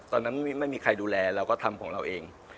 ตอนนั้นไม่มีใครดูแลเราก็ทำของเราเอง